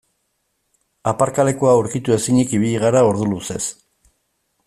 Aparkalekua aurkitu ezinik ibili gara ordu luzez.